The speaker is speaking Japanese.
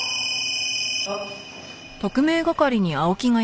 あっ。